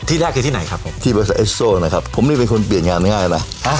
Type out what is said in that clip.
แรกคือที่ไหนครับผมที่บริษัทเอสโซนะครับผมนี่เป็นคนเปลี่ยนงานง่ายนะ